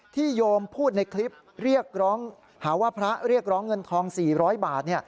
โยมพูดในคลิปเรียกร้องหาว่าพระเรียกร้องเงินทอง๔๐๐บาท